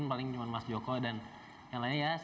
paling cuma mas joko dan yang lainnya ya